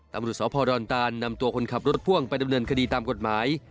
ตำรวจสพดอนตานนำตัวคนขับรถพ่วงไปดำเนินคดีตามกฎหมาย